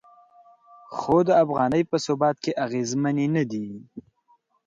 خو د افغانۍ په ثبات کې اغیزمنې نه دي.